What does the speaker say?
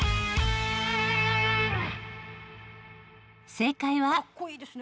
正解は。